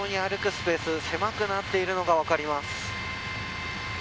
スペース狭くなっているのが分かります。